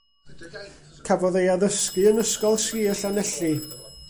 Cafodd ei addysgu yn Ysgol Sir Llanelli.